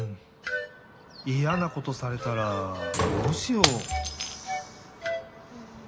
イヤなことされたらどうしよう？